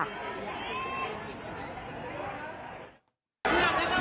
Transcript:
นันยอม